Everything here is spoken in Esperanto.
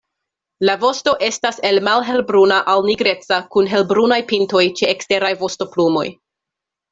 La vosto estas el malhelbruna al nigreca kun helbrunaj pintoj ĉe eksteraj vostoplumoj.